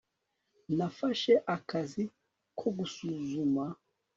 nafashe akazi ko gusuzuma